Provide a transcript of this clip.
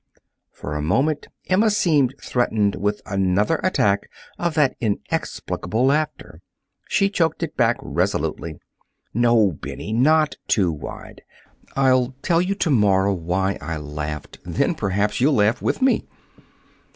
For a moment Emma seemed threatened with another attack of that inexplicable laughter. She choked it back resolutely. "No, Bennie; not too wide. I'll tell you to morrow why I laughed. Then, perhaps, you'll laugh with me."